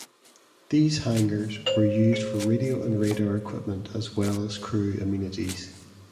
These hangars were used for radio and radar equipment as well as crew amenities.